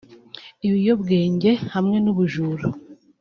ibiyobwenge hamwe n’ubujura